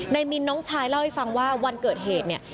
มินน้องชายเล่าให้ฟังว่าวันเกิดเหตุเนี่ย